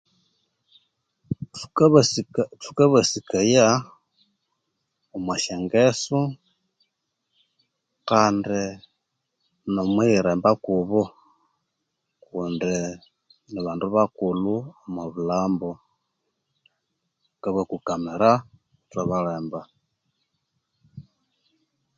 Thukabasikaya omwosyangesu kandi nomwiyiremba kubu kundi nibandu bakulhu omobulhambu, thukabakukamira ithwabalemba